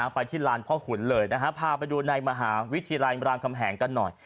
ไปที่ลานพ่อขุนเลยนะฮะพาไปดูในมหาวิทยาลัยรามคำแหงกันหน่อย